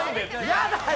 嫌だよ！